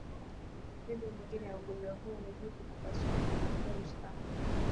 Dalili nyingine ya ugonjwa huu ni jipu kupasuka na kutoa usaha